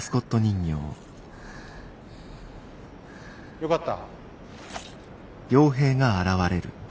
よかった。